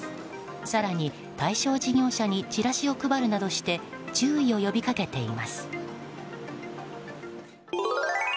更に、対象事業者にチラシを配るなどして注意を呼びかけています。